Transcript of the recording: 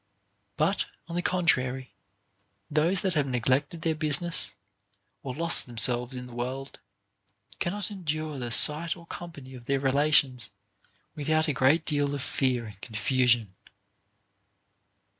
But, on the contrary, those that have neglected their business, or lost themselves in the world, cannot endure the sight or company of their relations without a great deal of fear and confusion.